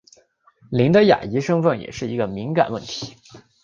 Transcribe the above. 林的亚裔身份也是一个敏感问题。